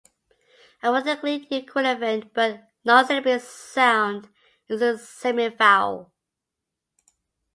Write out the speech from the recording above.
A phonetically equivalent but non-syllabic sound is a semivowel.